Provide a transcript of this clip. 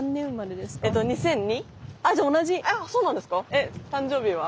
えっ誕生日は？